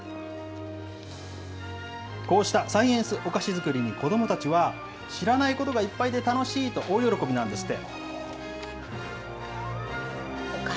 こうしたサイエンスお菓子作りに子どもたちは、知らないことがいっぱいで楽しいと大喜びなんですって。